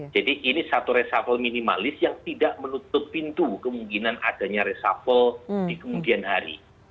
jadi ini satu reshuffle minimalis yang tidak menutup pintu kemungkinan adanya reshuffle di kemudian hari